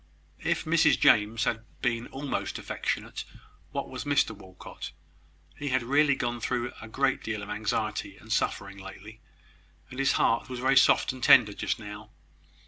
If Mrs James had been almost affectionate, what was Mr Walcot? He had really gone through a great deal of anxiety and suffering lately, and his heart was very soft and tender just now.